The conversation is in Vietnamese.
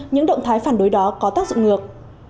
những động thái phản đối đó có tác dụng ngược